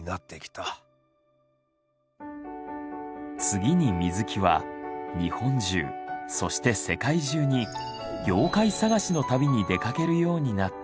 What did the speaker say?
次に水木は日本中そして世界中に妖怪探しの旅に出かけるようになった。